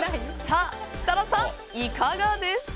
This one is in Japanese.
設楽さん、いかがですか？